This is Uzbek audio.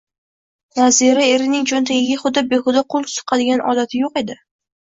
Nazira erining cho`ntagiga huda-behuda qo`l suqadigan odati yo`q edi